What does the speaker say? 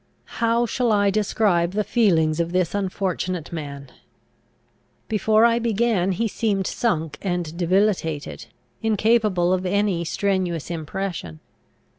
How shall I describe the feelings of this unfortunate man? Before I began, he seemed sunk and debilitated, incapable of any strenuous impression.